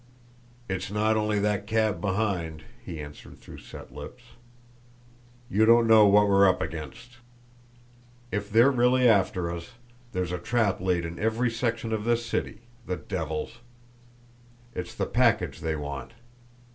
"It's not only that cab behind," he answered, through set lips. "You don't know what we're up against. If they're really after us, there's a trap laid in every section of this city the devils! It's the package they want.